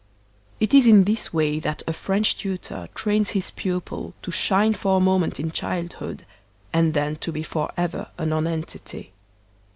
It is in this way that a French tutor trains his pupil to shine for a moment in childhood, and then to be forever a nonentity.